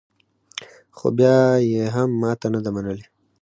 خو بیا یې هم ماته نه ده منلې